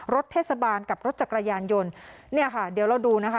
รถเทศบาลกับรถจักรยานยนต์เนี่ยค่ะเดี๋ยวเราดูนะคะ